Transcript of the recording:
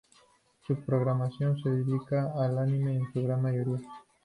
Su programación se dedicaba al anime en su gran mayoría.